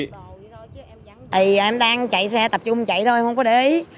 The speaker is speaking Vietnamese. thì em đang chạy xe tập trung chạy thôi không có để ý